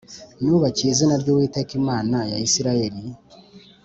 nubakiye izina ry Uwiteka Imana ya Isirayeli